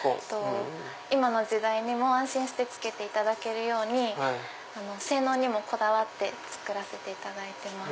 今の時代にも安心して着けていただけるように性能にもこだわって作らせていただいています。